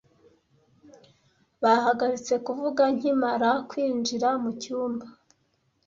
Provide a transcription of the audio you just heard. Bahagaritse kuvuga nkimara kwinjira mucyumba.